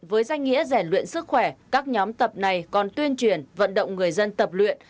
với danh nghĩa giải luyện sức khỏe các nhóm tập này còn tuyên truyền vận động người dân tập luyện